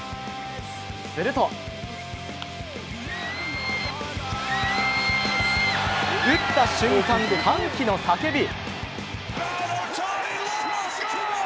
すると打った瞬間、歓喜の叫び。